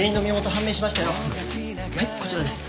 はいこちらです。